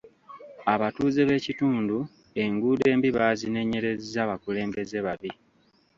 Abatuuze b'ekitundu enguudo embi baazinenyerezza bukulembeze babi.